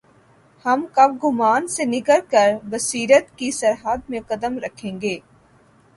ہم کب گمان سے نکل کربصیرت کی سرحد میں قدم رکھیں گے؟